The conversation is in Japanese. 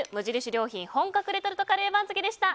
良品本格レトルトカレー番付でした。